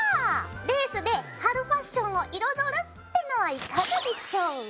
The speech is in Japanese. レースで春ファッションを彩るってのはいかがでしょう？